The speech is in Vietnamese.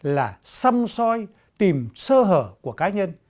là xăm xoay tìm sơ hở của cá nhân